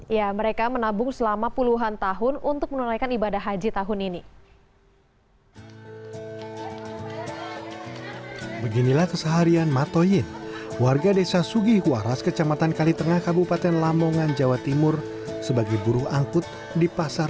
ya mereka menabung selama puluhan tahun untuk menunaikan ibadah haji tahun ini